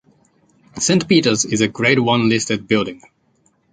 Saint Peter's is a Grade One listed building.